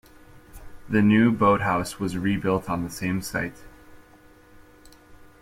The new boathouse was rebuilt on the same site.